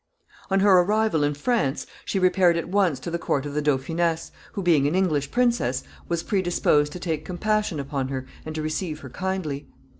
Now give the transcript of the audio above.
] On her arrival in France she repaired at once to the court of the dauphiness, who, being an English princess, was predisposed to take compassion upon her and to receive her kindly.